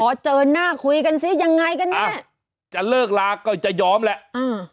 เจอหน้าคุยกันซิยังไงกันแน่จะเลิกลาก็จะยอมแหละอ่า